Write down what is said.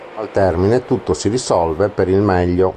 Al termine tutto si risolve per il meglio.